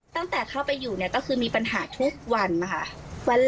ตั้งแต่เข้าไปอยู่ก็คือมีปัญหาทุกวันค่ะ